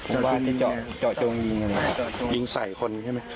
ผมว่าจะเจาะจงยิงอะไรครับยิงใส่คนใช่ไหม